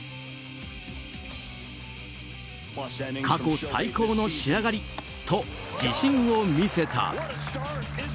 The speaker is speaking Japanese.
過去最高の仕上がりと自信を見せた。